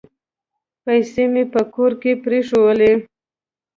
پیسې مي په کور کې پرېښولې .